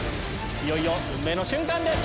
いよいよ運命の瞬間です。